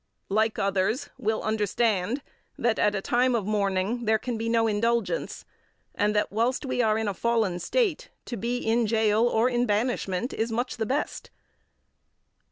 like others, will understand that, at a time of mourning, there can be no indulgence, and that, whilst we are in a fallen state, to be in gaol or in banishment is much the best; 14.